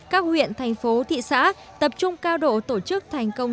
các huyện thành phố thị xã tập trung cao độ tổ chức thành công